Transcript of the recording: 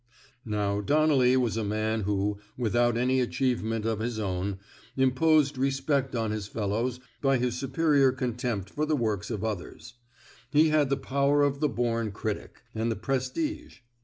Now Donnelly was a man who — without any achievement of his own — imposed re spect on his fellows by his superior con 254 A PERSONALLY CONDUCTED REVOLT tempt for the works of others. He had the power of the bom critic, and the prestige.